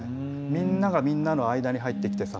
みんながみんなの間に入ってきて支え合っていく。